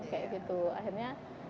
kayak gitu akhirnya